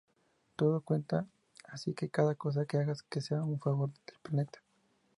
Todo cuenta, así que cada cosa que hagas que sea en favor del planeta.